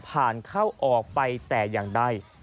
เข้าออกไปแต่อย่างใด